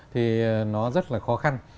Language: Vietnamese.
thì nó rất là khó khăn